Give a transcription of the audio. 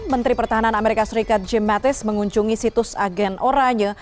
menteri pertahanan amerika serikat jim mattis mengunjungi situs agen oranye